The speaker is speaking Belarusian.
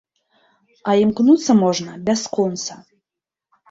А імкнуцца можна бясконца.